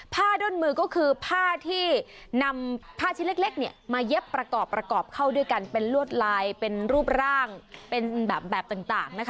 ด้นมือก็คือผ้าที่นำผ้าชิ้นเล็กเนี่ยมาเย็บประกอบประกอบเข้าด้วยกันเป็นลวดลายเป็นรูปร่างเป็นแบบต่างนะคะ